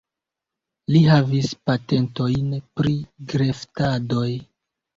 Li havis patentojn pri greftadoj.